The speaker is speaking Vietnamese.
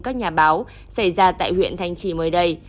các nhà báo xảy ra tại huyện thanh trì mới đây